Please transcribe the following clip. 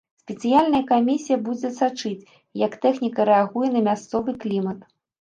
Спецыяльная камісія будзе сачыць, як тэхніка рэагуе на мясцовы клімат.